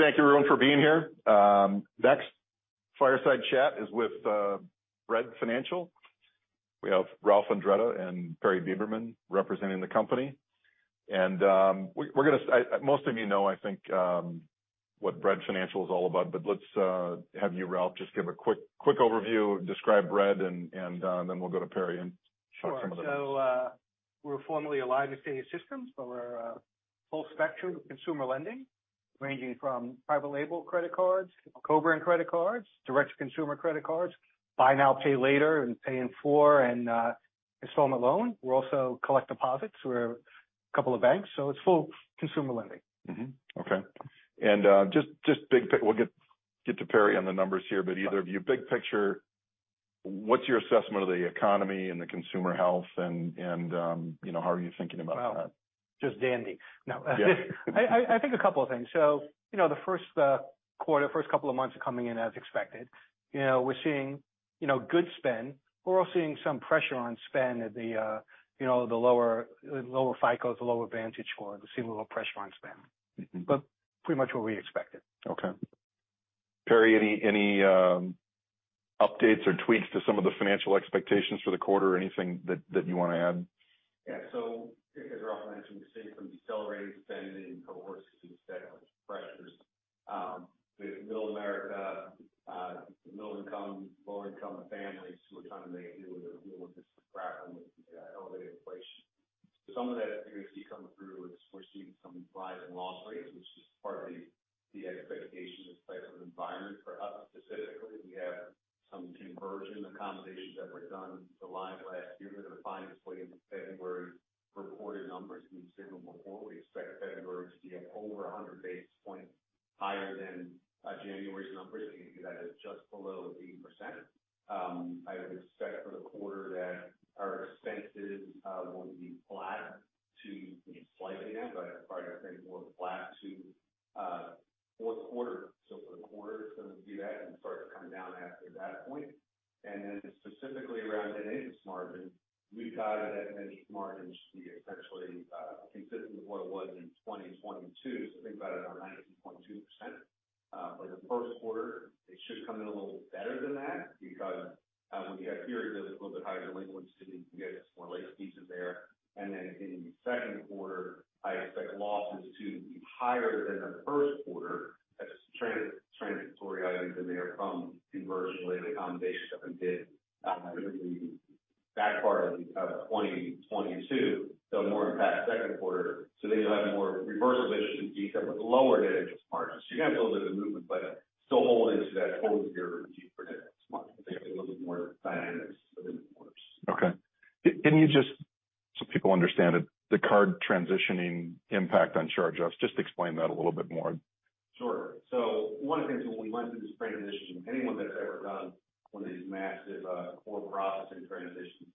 Thank you everyone for being here. Next fireside chat is with Bread Financial. We have Ralph Andretta and Perry Beberman representing the company. Most of you know, I think, what Bread Financial is all about, but let's have you, Ralph, just give a quick overview, describe Bread and, then we'll go to Perry and talk some of the- Sure. We're formerly Alliance Data Systems, but we're full spectrum consumer lending, ranging from private label credit cards, co-brand credit cards, direct to consumer credit cards, buy now, pay later, and Pay in four and installment loan. We also collect deposits. We're a couple of banks, so it's full consumer lending. Mm-hmm. Okay. Just We'll get to Perry on the numbers here. Either of you, big picture, what's your assessment of the economy and the consumer health and, you know, how are you thinking about that? Well, just dandy. No. Yeah. I think a couple of things. You know, the first quarter, first couple of months are coming in as expected. You know, we're seeing, you know, good spend. We're also seeing some pressure on spend at the, you know, the lower FICOs, the lower VantageScore. We're seeing a little pressure on spend. Mm-hmm. Pretty much what we expected. Okay. Perry, any updates or tweaks to some of the financial expectations for the quarter? Anything that you wanna add? Yeah. As Ralph mentioned, we're seeing some decelerating spend in cohorts instead of pressures. The Middle America, middle-income, lower-income families who are trying to make it with deal with this grappling with elevated inflation. Some of that you're gonna see coming through is we're seeing some rise in loss rates, which is part of the expectation of this type of environment. For us specifically, we have some conversion accommodations that were done live last year that are finally putting February reported numbers to be similar before. We expect February to be at over 100 base points higher than January's numbers. You can see that is just below 80%. I would expect for the quarter that our expenses will be flat to slightly down, but fourth quarter. For the quarter, it's gonna do that and start to come down after that point and specifically around net interest margin, we guided that net interest margin should be essentially consistent with what it was in 2022. Think about it around 90.2%. But the first quarter, it should come in a little better than that because when you got periods with a little bit higher delinquencies, you get more late fees in there. In the second quarter, I expect losses to be higher than the first quarter as transitory items in there from conversion-related accommodations that we did through the back part of 2022. They'll more impact second quarter. Today I have more reversal issues with lower net interest margins. You're gonna have a little bit of movement, but still hold into that full year net interest margin. I think a little bit more dynamics within the quarters. Okay. Can you just so people understand it, the card transitioning impact on charge-offs, just explain that a little bit more? Sure. One of the things when we went through this transition, anyone that's ever done one of these massive, core processing transitions,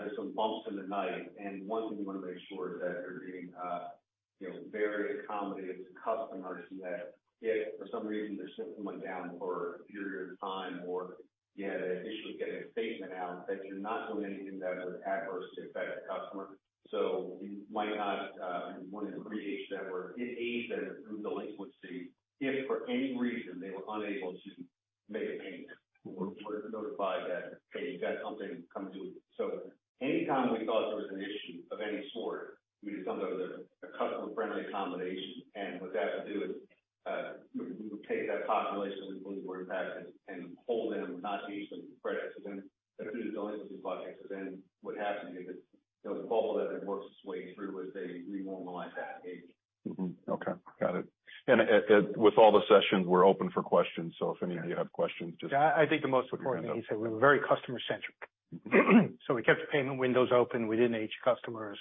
there's some bumps in the night. One thing you wanna make sure is that you're being, you know, very accommodative to customers that if for some reason their system went down for a period of time or you had an issue with getting a statement out, that you're not doing anything that would adversely affect the customer. You might not want to create that or age that through delinquency if for any reason they were unable to make a payment. We're quick to notify that, "Hey, you got something coming due." Anytime we thought there was an issue of any sort, we just come to a customer-friendly accommodation, and what that would do is, we would take that population that we believe were impacted and hold them, not age them for credit, or through the delinquency bucket. What happens is, you know, the follow that it works its way through as they re-normalize that age. Mm-hmm. Okay. Got it. With all the sessions, we're open for questions, so if any of you have questions. Yeah. I think the most important thing he said, we're very customer-centric. Mm-hmm. We kept the payment windows open. We didn't age customers.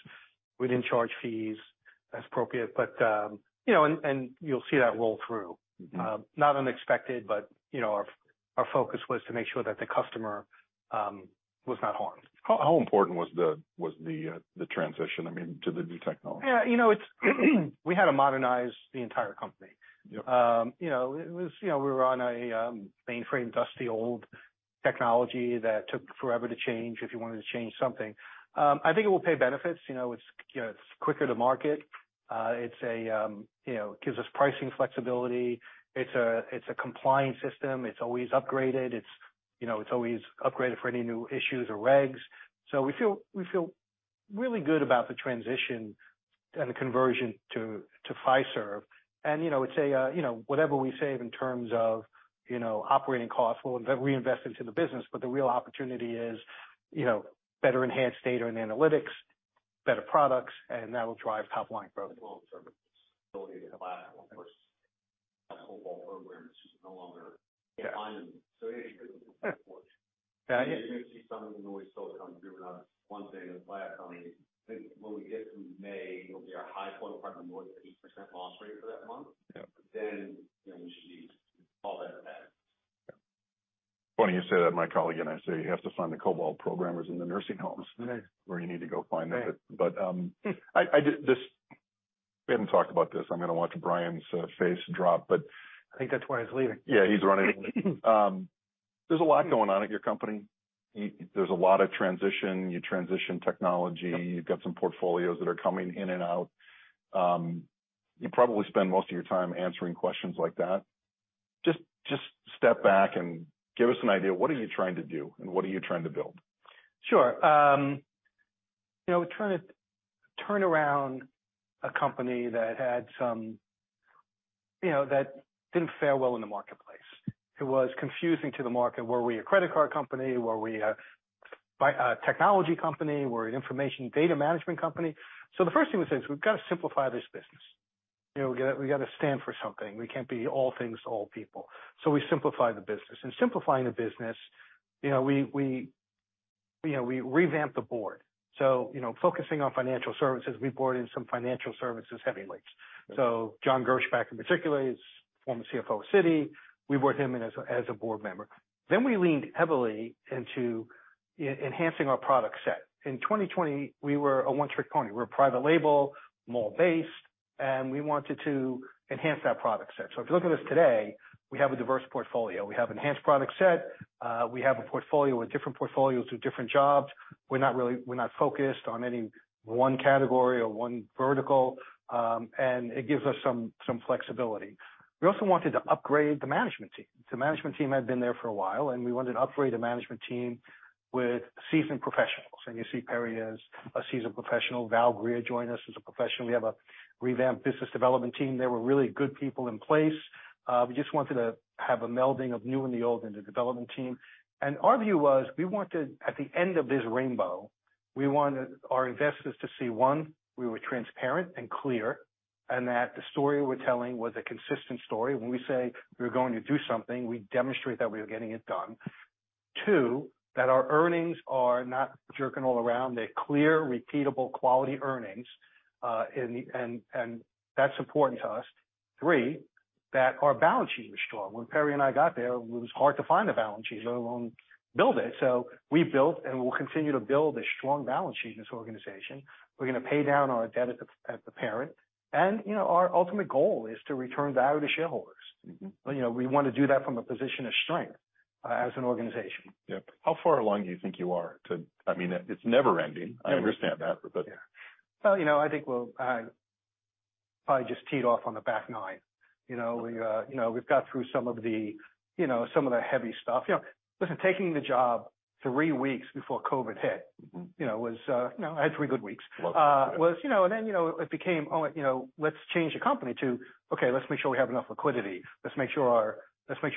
We didn't charge fees as appropriate. You know, and you'll see that roll through. Mm-hmm. Not unexpected, but, you know, our focus was to make sure that the customer was not harmed. How important was the transition, I mean, to the new technology? Yeah. You know, We had to modernize the entire company. Yep. You know, it was, you know, we were on a mainframe, dusty, old technology that took forever to change if you wanted to change something. I think it will pay benefits. You know, it's, you know, it's quicker to market. It's a, you know, gives us pricing flexibility. It's a, it's a compliant system. It's always upgraded. It's, you know, it's always upgraded for any new issues or regs. We feel really good about the transition and the conversion to Fiserv. You know, it's a, you know, whatever we save in terms of, you know, operating costs will then reinvest into the business. The real opportunity is, you know, better enhanced data and analytics, better products, and that will drive top-line growth. It will also ability to buy our first COBOL program, which is no longer in alignment. Yeah, you're gonna see some of the noise still coming through. One thing with Black Honey, I think when we get through May, it'll be our high point, probably more than 80% loss rate for that month. Yeah. You know, we should see all that advance. Yeah. Funny you say that. My colleague and I say you have to find the COBOL programmers in the nursing homes- Right where you need to go find it. Right. I haven't talked about this. I'm gonna watch Brian's face drop. I think that's why he's leaving. Yeah, he's running. There's a lot going on at your company. There's a lot of transition. You transition technology. You've got some portfolios that are coming in and out. You probably spend most of your time answering questions like that. Just step back and give us an idea, what are you trying to do and what are you trying to build? Sure. You know, we're trying to turn around a company that had some... You know, that didn't fare well in the marketplace. It was confusing to the market. Were we a credit card company? Were we a a technology company? Were we an information data management company? The first thing we said is, "We've got to simplify this business." You know, we gotta stand for something. We can't be all things to all people. We simplified the business. In simplifying the business, you know, we, you know, we revamped the board. You know, focusing on financial services, we brought in some financial services heavyweights. John Gerspach in particular is former CFO of Citi. We brought him in as a board member. Then we leaned heavily into e-enhancing our product set. In 2020, we were a one-trick pony. We were private label, mall-based. We wanted to enhance that product set. If you look at us today, we have a diverse portfolio. We have enhanced product set. We have a portfolio with different portfolios to different jobs. We're not focused on any one category or one vertical, and it gives us some flexibility. We also wanted to upgrade the management team. The management team had been there for a while, and we wanted to upgrade the management team with seasoned professionals. You see Perry as a seasoned professional. Val Greer joined us as a professional. We have a revamped business development team. There were really good people in place. We just wanted to have a melding of new and the old in the development team. Our view was, we wanted, at the end of this rainbow, we wanted our investors to see, one, we were transparent and clear, and that the story we're telling was a consistent story. When we say we're going to do something, we demonstrate that we are getting it done. Two, that our earnings are not jerking all around. They're clear, repeatable, quality earnings and that's important to us. Three, that our balance sheet was strong. When Perry and I got there, it was hard to find a balance sheet, let alone build it. We built and we'll continue to build a strong balance sheet in this organization. We're gonna pay down our debt at the parent. You know, our ultimate goal is to return value to shareholders. Mm-hmm. You know, we wanna do that from a position of strength, as an organization. Yep. How far along do you think you are to... I mean, it's never ending. I understand that, but- You know, I think we'll probably just teed off on the back nine. You know, we, you know, we've got through some of the, you know, some of the heavy stuff. You know, listen, taking the job three weeks before COVID hit. Mm-hmm... you know, was, you know, I had three good weeks. Well said. was, you know. Then, you know, it became, "Oh, you know, let's change the company," to, "Okay, let's make sure we have enough liquidity. Let's make sure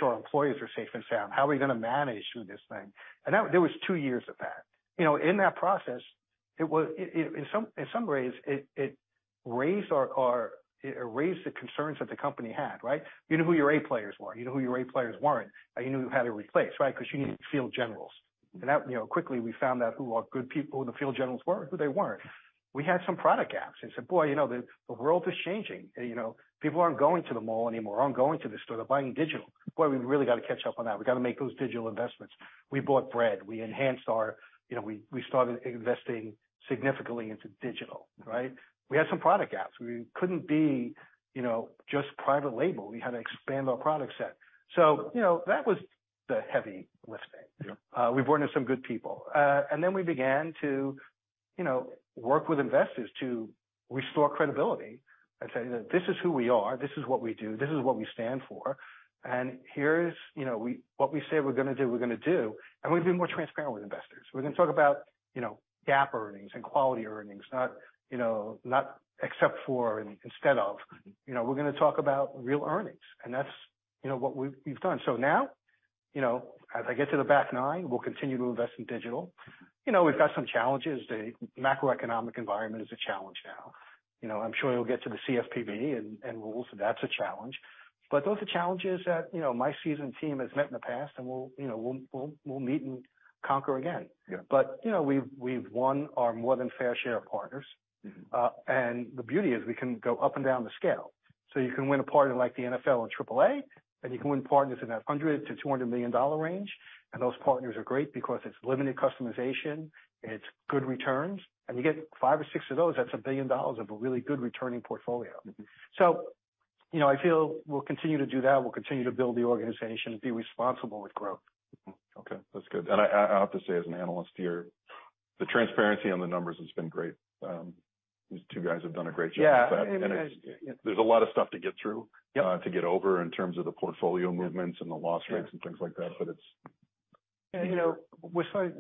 our employees are safe and sound. How are we gonna manage through this thing?" That, there was two years of that. You know, in that process, In some ways, it raised our... It raised the concerns that the company had, right? You knew who your A players were, you knew who your A players weren't, and you knew you had to replace, right? Because you needed field generals. That, you know, quickly we found out who our good people and the field generals were, who they weren't. We had some product gaps and said, "Boy, you know, the world is changing. You know, people aren't going to the mall anymore, aren't going to the store. They're buying digital. Boy, we've really got to catch up on that. We've got to make those digital investments. We bought Bread, we enhanced our. You know, we started investing significantly into digital, right? We had some product gaps. We couldn't be, you know, just private label. We had to expand our product set. You know, that was the heavy lifting. Yeah. We've brought in some good people. Then we began to, you know, work with investors to restore credibility and say, "This is who we are, this is what we do, this is what we stand for, and here's, you know, what we say we're gonna do, we're gonna do." We've been more transparent with investors. We're gonna talk about, you know, GAAP earnings and quality earnings, not, you know, not except for, instead of. You know, we're gonna talk about real earnings, and that's, you know, what we've done. Now, you know, as I get to the back nine, we'll continue to invest in digital. You know, we've got some challenges. The macroeconomic environment is a challenge now. You know, I'm sure you'll get to the CFPB and rules, and that's a challenge. Those are challenges that, you know, my seasoned team has met in the past, and we'll, you know, we'll meet and conquer again. Yeah. you know, we've won our more than fair share of partners. Mm-hmm. The beauty is we can go up and down the scale. You can win a partner like the NFL and AAA, and you can win partners in that $100 million-$200 million range. Those partners are great because it's limited customization, it's good returns, and you get five or six of those, that's $1 billion of a really good returning portfolio. Mm-hmm. You know, I feel we'll continue to do that. We'll continue to build the organization and be responsible with growth. Okay, that's good. I have to say, as an analyst here, the transparency on the numbers has been great. These two guys have done a great job with that. Yeah. There's a lot of stuff to get through. Yeah... to get over in terms of the portfolio movements and the loss rates and things like that, but. You know,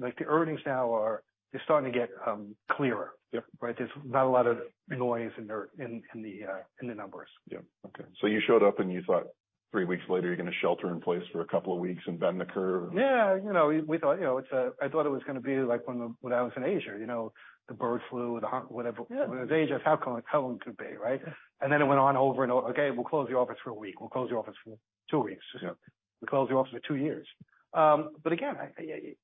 Like, the earnings now are just starting to get clearer. Yeah. Right? There's not a lot of noise in the numbers. Yeah. Okay. You showed up and you thought three weeks later, you're gonna shelter in place for a couple of weeks and bend the curve. Yeah. You know, we thought, you know, it's like when the, when I was in Asia, you know, the bird flu, whatever. it's how calm it could be, right? Then it went on over and over. Okay, we'll close the office for a week. We'll close the office for two weeks. We closed the office for two years. But again, it's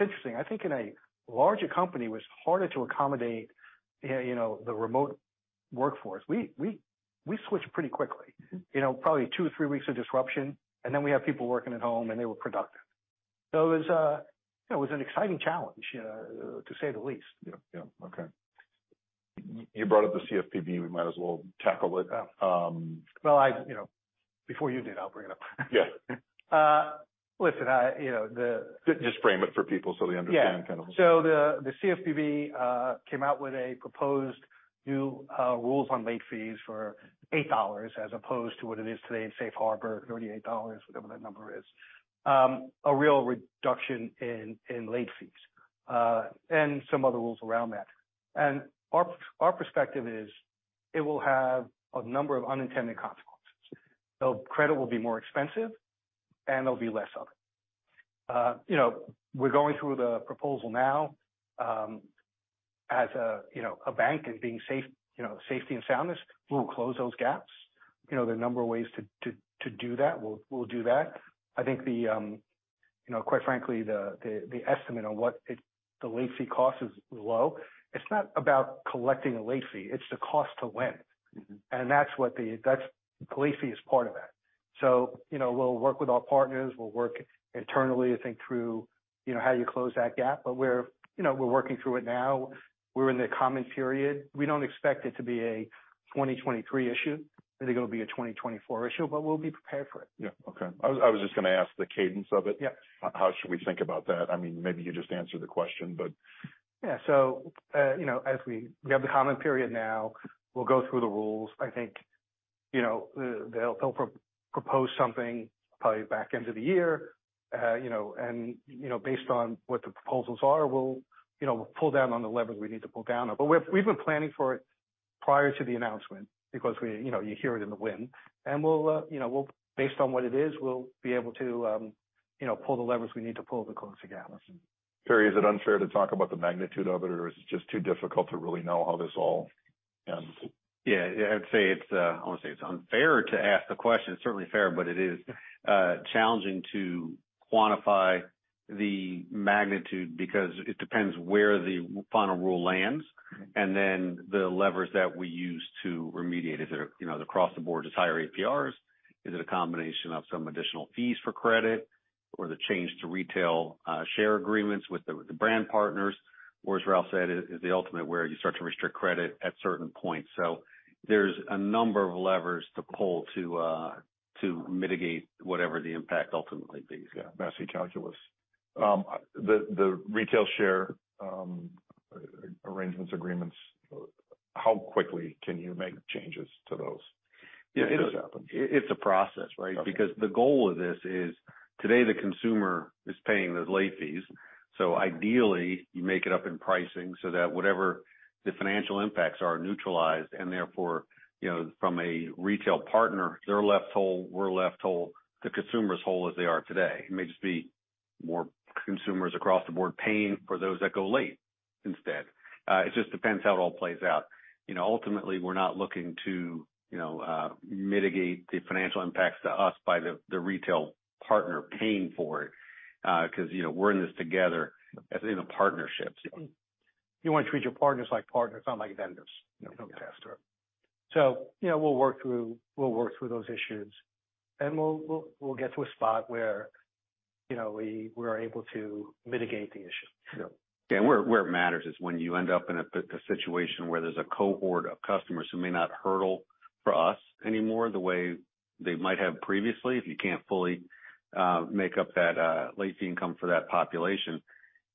interesting. I think in a larger company, it was harder to accommodate, you know, the remote workforce. We switched pretty quickly. You know, probably two or three weeks of disruption, and then we have people working at home, and they were productive. It was, you know, it was an exciting challenge to say the least. Yeah. Yeah. Okay. You brought up the CFPB, we might as well tackle it. Well, I, you know, before you did, I'll bring it up. Yeah. Listen, I, you know. Just frame it for people so they understand kind of... The CFPB came out with a proposed new rules on late fees for $8 as opposed to what it is today in Safe Harbor, $38, whatever that number is, a real reduction in late fees and some other rules around that. Our perspective is it will have a number of unintended consequences. Credit will be more expensive and there'll be less of it. You know, we're going through the proposal now, as a, you know, a bank and being safe, you know, safety and soundness, we'll close those gaps. You know, there are a number of ways to do that. We'll do that. I think the, you know, quite frankly, the estimate on what the late fee cost is low. It's not about collecting a late fee. It's the cost to lend. Mm-hmm. That's what the late fee is part of that. You know, we'll work with our partners. We'll work internally to think through, you know, how you close that gap. We're, you know, we're working through it now. We're in the comment period. We don't expect it to be a 2023 issue. I think it'll be a 2024 issue, but we'll be prepared for it. Yeah. Okay. I was just gonna ask the cadence of it. Yeah. How should we think about that? I mean, maybe you just answered the question, but... Yeah. You know, as we have the comment period now. We'll go through the rules. I think, you know, they'll propose something probably back end of the year. You know, based on what the proposals are, we'll, you know, pull down on the levers we need to pull down on. We've been planning for it prior to the announcement because we, you know, you hear it in the wind. We'll, you know, based on what it is, we'll be able to, you know, pull the levers we need to pull to close the gap. Perry, is it unfair to talk about the magnitude of it, or is it just too difficult to really know how this all? Yeah. I'd say it's, I wouldn't say it's unfair to ask the question. It's certainly fair. It is, challenging to quantify the magnitude because it depends where the final rule lands. Mm-hmm. The levers that we use to remediate. Is it a, you know, across the board, it's higher APRs? Is it a combination of some additional fees for credit or the change to retail share agreements with the brand partners? As Ralph said, is the ultimate where you start to restrict credit at certain points. There's a number of levers to pull to mitigate whatever the impact ultimately be. Yeah. Messy calculus. The retail share arrangements, agreements, how quickly can you make changes to those if this happens? It's a process, right? Okay. The goal of this is today the consumer is paying those late fees. Ideally, you make it up in pricing so that whatever the financial impacts are neutralized, and therefore, you know, from a retail partner, they're left whole, we're left whole, the consumer's whole as they are today. It may just be more consumers across the board paying for those that go late instead. It just depends how it all plays out. You know, ultimately, we're not looking to, you know, mitigate the financial impacts to us by the retail partner paying for it, 'cause, you know, we're in this together as in the partnerships. You wanna treat your partners like partners, not like vendors. No. That's true. You know, we'll work through those issues, and we'll get to a spot where, you know, we are able to mitigate the issue. Yeah. Where it matters is when you end up in a situation where there's a cohort of customers who may not hurdle for us anymore the way they might have previously, if you can't fully make up that late fee income for that population.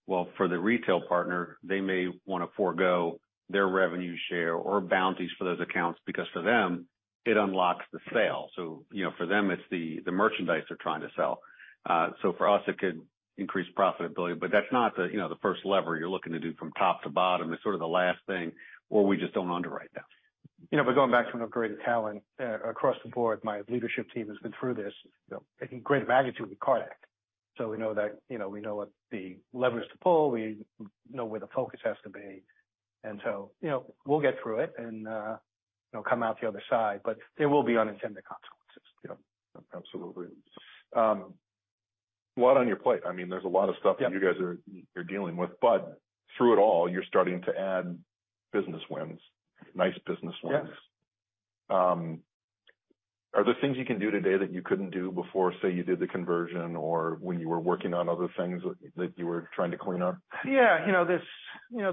For the retail partner, they may wanna forgo their revenue share or bounties for those accounts because for them, it unlocks the sale. You know, for them it's the merchandise they're trying to sell. For us, it could increase profitability, that's not the, you know, the first lever you're looking to do from top to bottom. It's sort of the last thing or we just don't underwrite them. You know, going back to a greater talent, across the board, my leadership team has been through this, you know, a greater magnitude with CARD Act. We know that, you know, we know what the leverage to pull, we know where the focus has to be. You know, we'll get through it and, you know, come out the other side, but there will be unintended consequences. Yeah. Absolutely. A lot on your plate. I mean, there's a lot of stuff- Yeah. You guys are, you're dealing with, but through it all, you're starting to add business wins, nice business wins. Yes. Are there things you can do today that you couldn't do before, say, you did the conversion or when you were working on other things that you were trying to clean up? Yeah. You know, this, you know,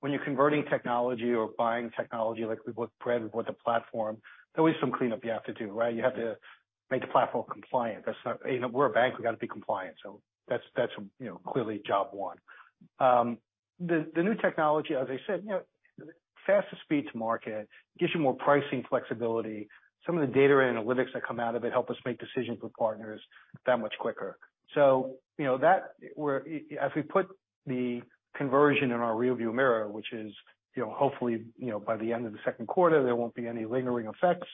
when you're converting technology or buying technology, like we bought Bread, we bought the platform, there's always some cleanup you have to do, right? You have to make the platform compliant. You know, we're a bank, we gotta be compliant. That's, you know, clearly job one. The new technology, as I said, you know, faster speed to market, gives you more pricing flexibility. Some of the data analytics that come out of it help us make decisions with partners that much quicker. You know that as we put the conversion in our rear view mirror, which is, you know, hopefully, you know, by the end of the second quarter, there won't be any lingering effects.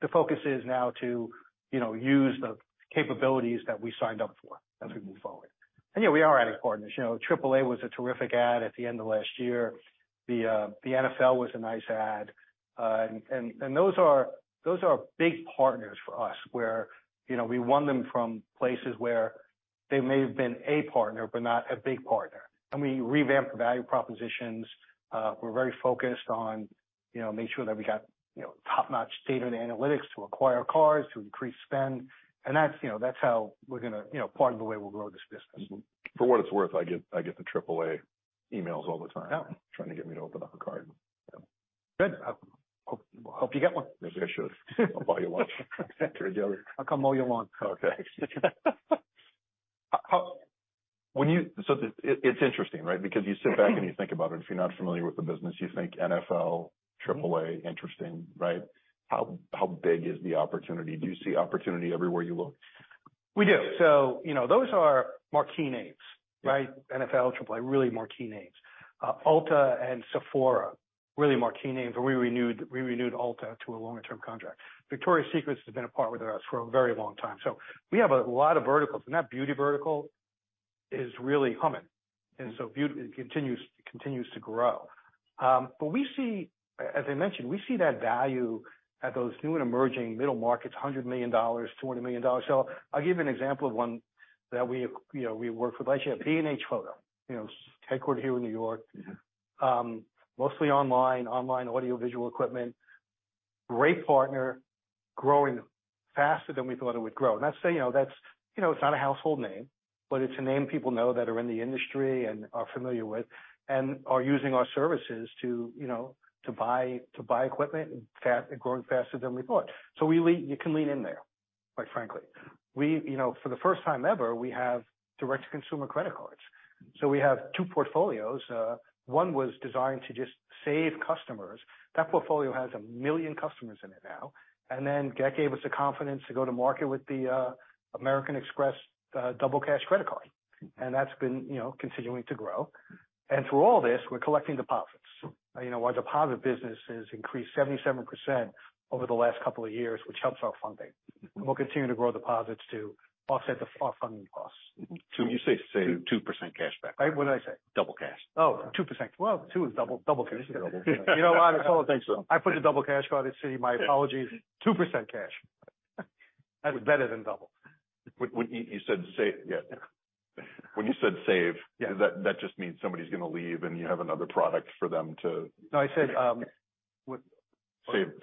The focus is now to, you know, use the capabilities that we signed up for as we move forward. Yeah, we are adding partners. You know, AAA was a terrific add at the end of last year. The NFL was a nice add. Those are big partners for us where, you know, we won them from places where they may have been a partner, but not a big partner. We revamped the value propositions. We're very focused on, you know, making sure that we got, you know, top-notch data and analytics to acquire cards, to increase spend. That's, you know, that's how we're gonna, you know, part of the way we'll grow this business. Mm-hmm. For what it's worth, I get the AAA emails all the time. Yeah. Trying to get me to open up a card. Good. I hope you get one. Maybe I should. I'll mow your lawn. I'll come mow your lawn. Okay. When you it's interesting, right? Because you sit back and you think about it, if you're not familiar with the business, you think NFL, AAA, interesting, right? How big is the opportunity? Do you see opportunity everywhere you look? We do. You know, those are marquee names, right? NFL, AAA, really marquee names. Ulta and Sephora, really marquee names. We renewed Ulta to a longer-term contract. Victoria's Secret has been a part with us for a very long time. We have a lot of verticals, and that beauty vertical is really humming. Beauty continues to grow. But we see, as I mentioned, we see that value at those new and emerging middle markets, $100 million, $200 million. I'll give you an example of one that we, you know, we work with. I share B&H Photo, you know, it's headquartered here in New York. Mostly online audiovisual equipment. Great partner, growing faster than we thought it would grow. That's saying, you know, that's, you know, it's not a household name, but it's a name people know that are in the industry and are familiar with and are using our services to, you know, to buy equipment and growing faster than we thought. You can lean in there, quite frankly. We, you know, for the first time ever, we have direct-to-consumer credit cards. We have two portfolios. One was designed to just save customers. That portfolio has 1 million customers in it now. That gave us the confidence to go to market with the American Express double cash credit card. That's been, you know, continuing to grow. Through all this, we're collecting deposits. You know, our deposit business has increased 77% over the last couple of years, which helps our funding. We'll continue to grow deposits to offset our funding costs. When you say save 2% cashback? What did I say? Double cash. 2%. 2 is double cash. Double. You know what? It's all the same. I put a double cash card at Citi. My apologies. 2% cash. That was better than double. yeah. When you said save- Yeah. that just means somebody's gonna leave, and you have another product for them to... No, I said, what? Save.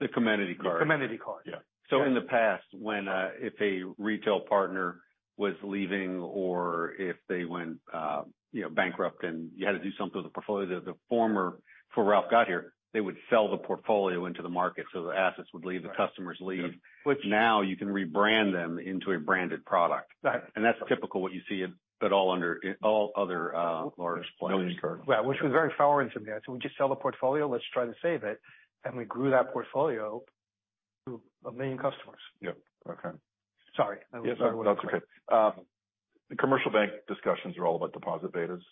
The commodity card. The commodity card. Yeah. In the past, when, if a retail partner was leaving or if they went, you know, bankrupt and you had to do something with the portfolio, the former, before Ralph got here, they would sell the portfolio into the market, so the assets would leave, the customers leave. Now you can rebrand them into a branded product. Right. That's typical what you see at all other large players. No injury card. Which was very foreign to me. I'd say, we just sell the portfolio, let's try to save it. We grew that portfolio to 1 million customers. Yeah. Okay. Sorry. Yeah. No, that's okay. The commercial bank discussions are all about deposit betas.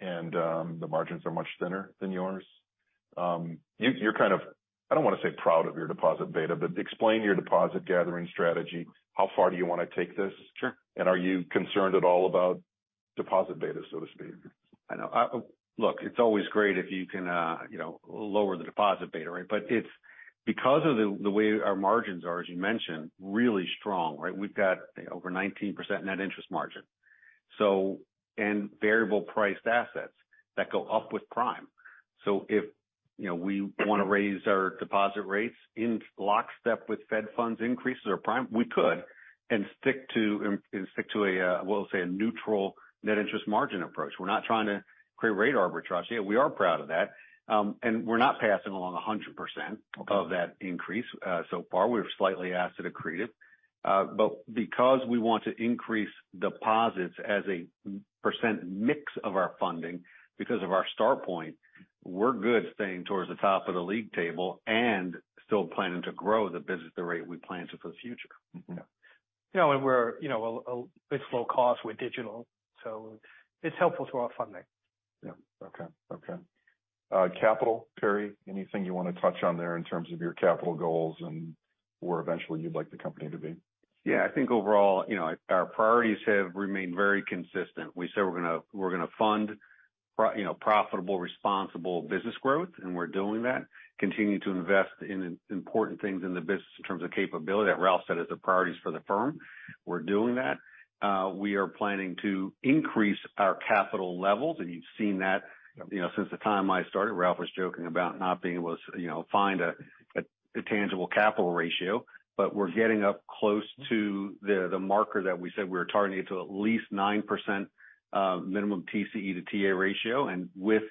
The margins are much thinner than yours. You, you're kind of, I don't want to say proud of your deposit beta, but explain your deposit gathering strategy. How far do you want to take this? Sure. Are you concerned at all about deposit beta, so to speak? I know. Look, it's always great if you can, you know, lower the deposit beta? It's because of the way our margins are, as you mentioned, really strong, right? We've got over 19% net interest margin. Variable priced assets that go up with Prime. If, you know, we wanna raise our deposit rates in lockstep with Fed funds increases or Prime, we could and stick to a, we'll say, a neutral net interest margin approach. We're not trying to create rate arbitrage. Yeah, we are proud of that. We're not passing along 100% of that increase so far. We're slightly acid accretive. Because we want to increase deposits as a % mix of our funding because of our star point, we're good staying towards the top of the league table and still planning to grow the business the rate we plan to for the future. Mm-hmm. You know, we're, you know, a bit slow cost with digital. It's helpful to our funding. Yeah. Okay. Okay. capital, Perry, anything you want to touch on there in terms of your capital goals and where eventually you'd like the company to be? Yeah, I think overall, you know, our priorities have remained very consistent. We said we're gonna fund, you know, profitable, responsible business growth, and we're doing that. Continue to invest in important things in the business in terms of capability. That Ralph said is the priorities for the firm. We're doing that. We are planning to increase our capital levels, and you've seen that, you know, since the time I started. Ralph was joking about not being able to, you know, find a tangible capital ratio, but we're getting up close to the marker that we said we were targeting to at least 9% minimum TCE to TA ratio. With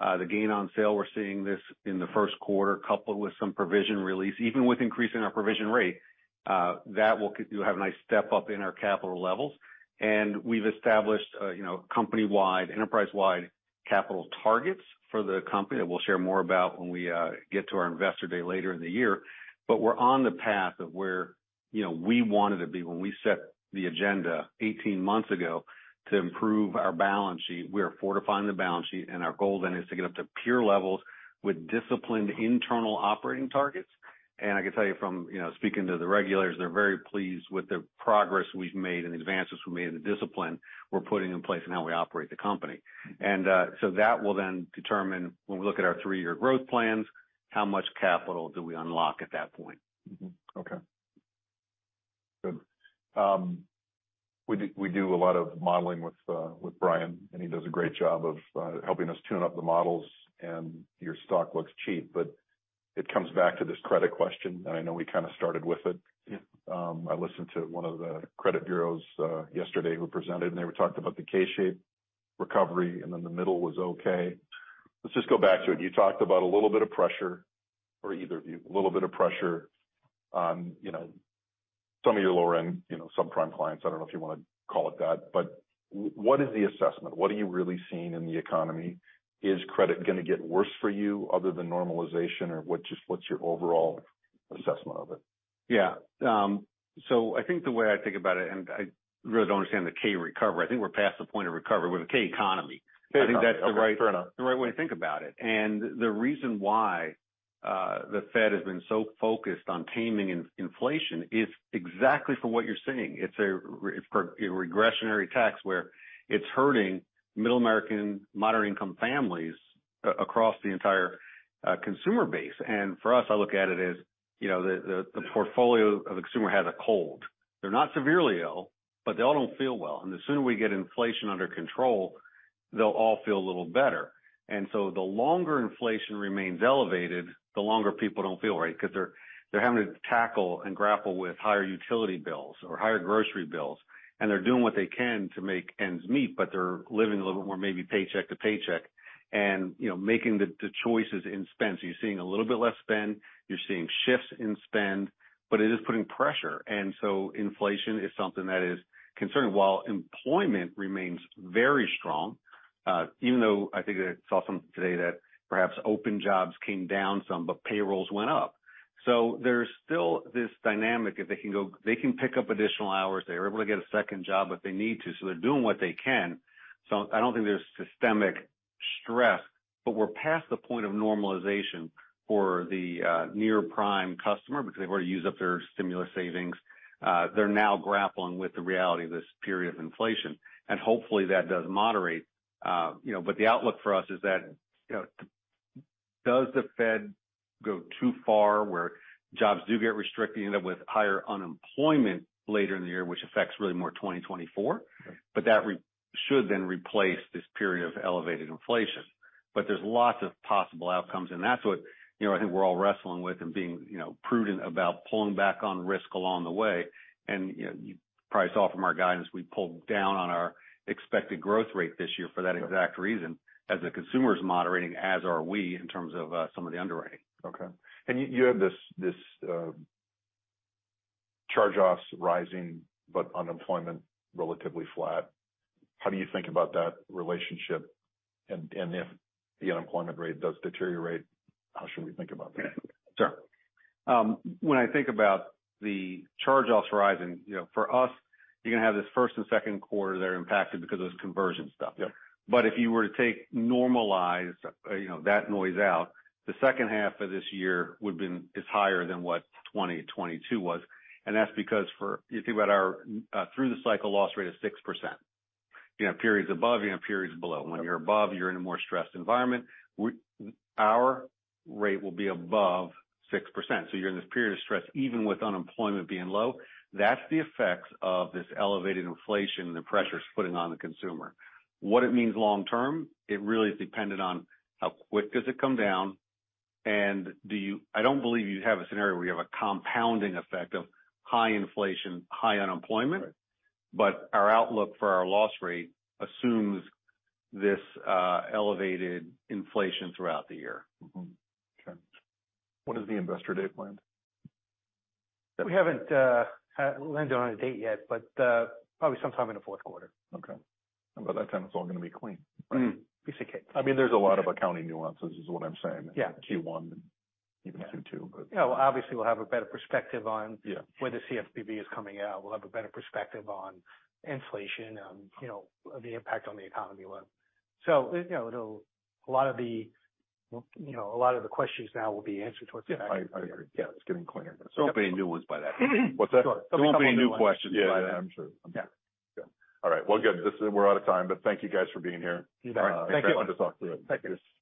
the gain on sale, we're seeing this in the first quarter, coupled with some provision release, even with increasing our provision rate, that will have a nice step-up in our capital levels. We've established, you know, company-wide, enterprise-wide capital targets for the company that we'll share more about when we get to our investor day later in the year. We're on the path of where, you know, we wanted to be when we set the agenda 18 months ago to improve our balance sheet. We are fortifying the balance sheet. Our goal then is to get up to peer levels with disciplined internal operating targets. I can tell you from, you know, speaking to the regulators, they're very pleased with the progress we've made and the advances we made and the discipline we're putting in place in how we operate the company. That will determine when we look at our three-year growth plans, how much capital do we unlock at that point. Okay. Good. We do a lot of modeling with Brian, and he does a great job of helping us tune up the models. Your stock looks cheap. It comes back to this credit question, and I know we kind of started with it. I listened to one of the credit bureaus yesterday who presented, and they were talking about the K-shaped recovery, and then the middle was okay. Let's just go back to it. You talked about a little bit of pressure for either of you, a little bit of pressure on, you know, some of your lower-end, you know, subprime clients. I don't know if you wanna call it that. What is the assessment? What are you really seeing in the economy? Is credit gonna get worse for you other than normalization, or what's your overall assessment of it? Yeah. I think the way I think about it, and I really don't understand the K recovery. I think we're past the point of recovery. We're the K economy. Okay. I think that's the right-. Fair enough. The right way to think about it. The reason why the Fed has been so focused on taming inflation is exactly for what you're saying. It's a regressionary tax where it's hurting middle American, moderate-income families across the entire consumer base. For us, I look at it as, you know, the portfolio of the consumer has a cold. They're not severely ill, but they all don't feel well. The sooner we get inflation under control, they'll all feel a little better. The longer inflation remains elevated, the longer people don't feel right 'cause they're having to tackle and grapple with higher utility bills or higher grocery bills. They're doing what they can to make ends meet, but they're living a little bit more maybe paycheck to paycheck and, you know, making the choices in spend. You're seeing a little bit less spend. You're seeing shifts in spend, but it is putting pressure. Inflation is something that is concerning. While employment remains very strong, even though I think I saw something today that perhaps open jobs came down some, but payrolls went up. There's still this dynamic if they can pick up additional hours. They're able to get a second job if they need to, so they're doing what they can. I don't think there's systemic stress, but we're past the point of normalization for the near-prime customer because they've already used up their stimulus savings. They're now grappling with the reality of this period of inflation. Hopefully, that does moderate, you know. The outlook for us is that, you know, does the Fed go too far where jobs do get restricted, end up with higher unemployment later in the year, which affects really more 2024? Right. That should then replace this period of elevated inflation. There's lots of possible outcomes, and that's what, you know, I think we're all wrestling with and being, you know, prudent about pulling back on risk along the way. You know, you probably saw from our guidance, we pulled down on our expected growth rate this year for that exact reason. As the consumer's moderating, as are we in terms of some of the underwriting. Okay. You have this charge-offs rising but unemployment relatively flat. How do you think about that relationship? If the unemployment rate does deteriorate, how should we think about that? Yeah. Sure. When I think about the charge-offs rising, you know, for us, you're gonna have this first and second quarter that are impacted because of this conversion stuff. Yeah. If you were to take normalize, you know, that noise out, the second half of this year would've been is higher than what 2022 was. That's because if you think about our through the cycle loss rate of 6%, you have periods above, you have periods below. When you're above, you're in a more stressed environment. Our rate will be above 6%. You're in this period of stress even with unemployment being low. That's the effects of this elevated inflation and the pressures it's putting on the consumer. What it means long term, it really is dependent on how quick does it come down. I don't believe you have a scenario where you have a compounding effect of high inflation, high unemployment. Right. Our outlook for our loss rate assumes this elevated inflation throughout the year. What is the investor date planned? We haven't landed on a date yet, but probably sometime in the fourth quarter. Okay. By that time, it's all gonna be clean, right? Mm. I mean, there's a lot of accounting nuances, is what I'm saying. Yeah. Q1 and even Q2... Yeah. Well, obviously we'll have a better perspective. Yeah... where the CFPB is coming out. We'll have a better perspective on inflation, you know, the impact on the economy loan. You know, a lot of the, you know, a lot of the questions now will be answered towards the back end of the year. Yeah. I agree. Yeah. It's getting clearer. There won't be any new ones by that point. What's that? Sure. There won't be any new questions by then. Yeah. I'm sure. I'm sure. Yeah. Yeah. All right. Well, good. We're out of time. Thank you guys for being here. You bet. All right. Thank you. Thank you.